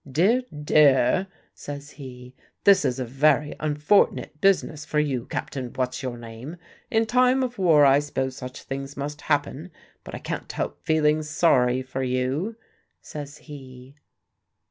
"Dear, dear," says he, "this is a very unfort'nit business for you, Cap'n What's your name! In time of war I s'pose such things must happen; but I can't help feelin' sorry for you," says he.